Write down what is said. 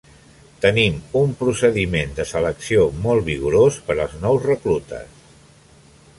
Tenim un procediment de selecció molt vigorós per als nous reclutes.